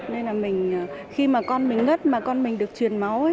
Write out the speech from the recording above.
nên là mình khi mà con mình ngất mà con mình được truyền máu